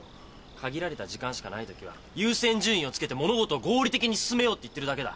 限られた時間しかないときは優先順位をつけて物事を合理的に進めようって言ってるだけだ。